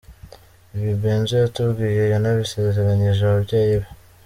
Ibi Benzo yatubwiye yanabisezeranyije ababyeyi be.